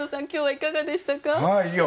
今日はいかがでしたか？